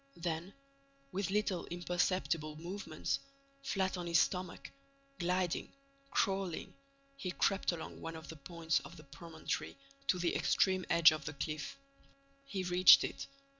Then, with little imperceptible movements, flat on his stomach, gliding, crawling, he crept along one of the points of the promontory to the extreme edge of the cliff. He reached it.